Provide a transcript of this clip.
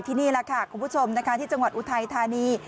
นี่แหละค่ะคุณผู้ชมนะคะที่จังหวัดอุทัยธานี